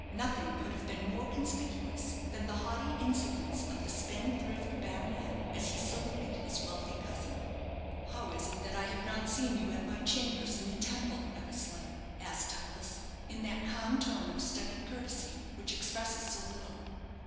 Nothing could have been more conspicuous than the haughty insolence of the spendthrift baronet as he saluted his wealthy cousin. "How is it I have not seen you at my chambers in the Temple, Eversleigh?" asked Douglas, in that calm tone of studied courtesy which expresses so little.